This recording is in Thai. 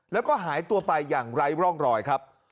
แล้วก็หายตัวไปอย่างไร้ร่องรอยครับ